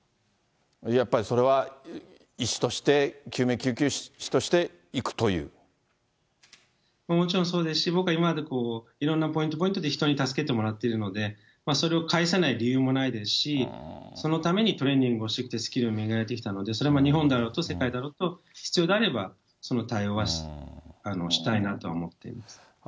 やっぱりそれは、医師として、もちろんそうですし、僕は今まで、いろんなポイントポイントで人に助けてもらっているので、それを返さない理由もないですし、そのためにトレーニングをしてきて、スキルを磨いてきたので、それは日本だろうと、世界だろうと、必要であれば、その対応はしたいなとは思っています。